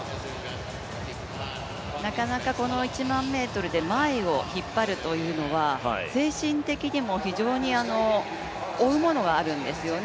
なかなかこの１００００ｍで前を引っ張るというのは精神的にも非常に負うものがあるんですよね、